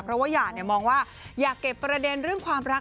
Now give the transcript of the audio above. เพราะว่าหย่ามองว่าอย่าเก็บประเด็นเรื่องความรัก